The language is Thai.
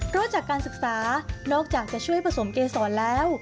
รวดจากการศึกษานอกจะช่วยผสมเกสอนแล้ว